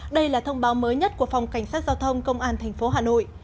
đây là thông báo mới nhất của phòng cảnh sát giao thông công an tp hà nội